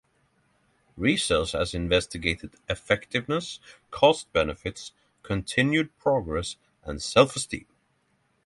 Research has investigated effectiveness, cost benefits, continued progress and self-esteem.